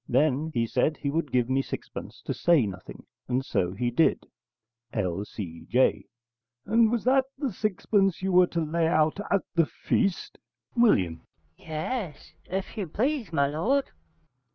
Then he said he would give me sixpence to say nothing, and so he did.' L.C.J. And was that the sixpence you were to lay out at the feast? W. Yes, if you please, my lord.